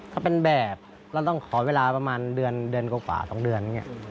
ถ้าเป็นแบบเราต้องขอเวลาประมาณเดือนกว่าประมาณ๒เดือน